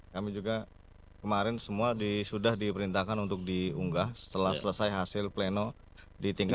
kami juga kemarin semua sudah diperintahkan untuk diunggah setelah selesai hasil pleno di tingkat